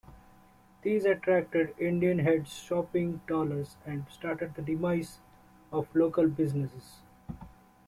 These attracted Indian Head's shopping dollars and started the demise of local businesses.